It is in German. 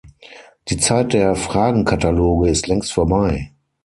Die Zeit der Fragenkataloge ist längst vorbei.